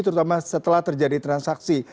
terutama setelah terjadi transaksi